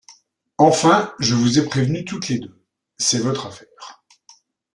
Enfin, je vous ai prévenues toutes les deux ; c’est votre affaire.